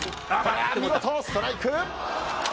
見事、ストライク！